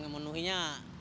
kalau mikirin bisa